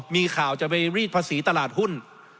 มีข่าวจะไปรีดภาษีตลาดหุ้น